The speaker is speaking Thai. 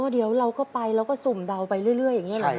เดี๋ยวเราก็ไปเราก็สุ่มเดาไปเรื่อยอย่างนี้หรอ